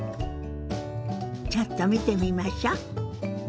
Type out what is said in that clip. ちょっと見てみましょ。